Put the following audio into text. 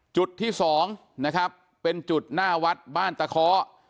จุดที่สองนะครับเป็นจุดหน้าวัดบ้านตะเคาะ